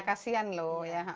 kasian loh ya